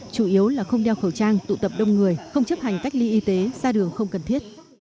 chủ yếu là không đeo khẩu trang tụ tập đông người không chấp hành cách ly y tế ra đường không cần thiết